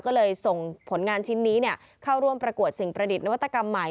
ก็เลยส่งผลงานชิ้นนี้เข้าร่วมประกวดสิ่งประดิษฐ์นวัตกรรมใหม่